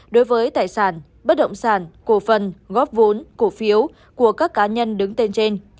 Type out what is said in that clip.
đối với tài sản bất động sản cổ phần góp vốn cổ phiếu của các cá nhân đứng tên trên